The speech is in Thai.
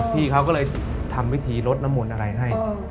พี่เขาก็เลยทำวิธีลดน้ำมนต์อะไรให้